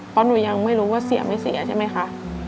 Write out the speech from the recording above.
เพราะหนูยังไม่รู้ว่าเสียไม่เสียใช่ไหมคะ